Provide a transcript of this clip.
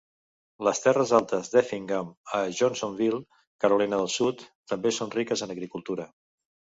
Les terres altes des d'Effingham a Johnsonville, Carolina del Sud, també són riques en agricultura.